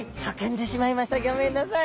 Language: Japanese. ギョめんなさい。